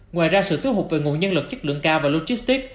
ngoài ra sự tiêu hụt về nguồn nhân lực chất lượng cao và logistic